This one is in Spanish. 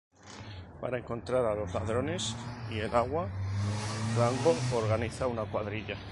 Para encontrar a los ladrones y el agua, Rango organiza una cuadrilla.